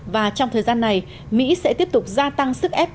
và trong thời gian này mỹ sẽ tiếp tục gia tăng sức ép